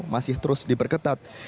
masih terus diperketat